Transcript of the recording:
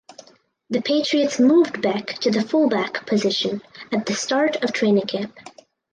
The Patriots moved Beck to the fullback position at the start of training camp.